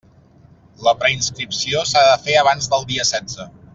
La preinscripció s'ha de fer abans del dia setze.